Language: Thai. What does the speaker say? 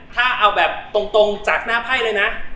ถ้าเอาแบบตรงจากหน้าไพ่เลยนะ